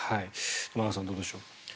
玉川さん、どうでしょう。